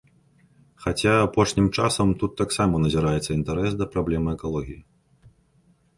Хаця апошнім часам тут таксама назіраецца інтарэс да праблемы экалогіі.